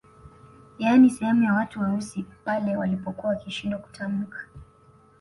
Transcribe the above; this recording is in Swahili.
Yaani sehemu ya watu weusi pale walipokuwa wakishindwa kutamka